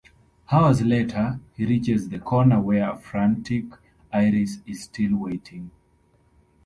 Hours later, he reaches the corner where a frantic Iris is still waiting.